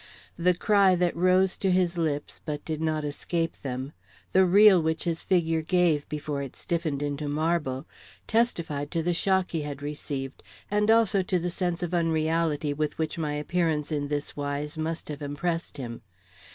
The cry that rose to his lips but did not escape them, the reel which his figure gave before it stiffened into marble, testified to the shock he had received, and also to the sense of unreality with which my appearance in this wise must have impressed him.